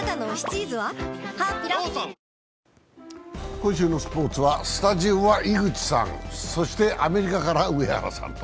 今週のスポーツはスタジオは井口さん、そして、アメリカから上原さんと。